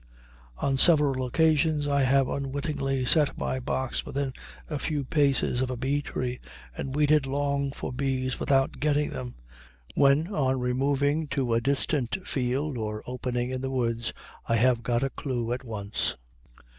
On several occasions I have unwittingly set my box within a few paces of a bee tree and waited long for bees without getting them, when, on removing to a distant field or opening in the woods, I have got a clew at once.